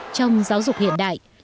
trong giáo dục hiện đại